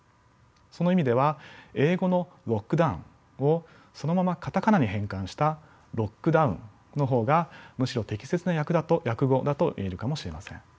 その意味では英語のｌｏｃｋｄｏｗｎをそのままカタカナに変換したロックダウンの方がむしろ適切な訳語だと言えるかもしれません。